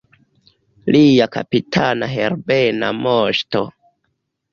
Lia kapitana Herbena Moŝto!